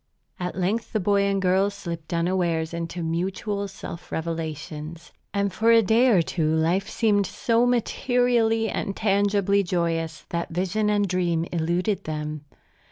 At length the boy and girl slipped unawares into mutual self revelations; and for a day or two life seemed so materially and tangibly joyous that vision and dream eluded them.